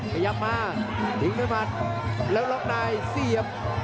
ขยับมาดึงด้วยหมัดแล้วล็อกนายเสียบ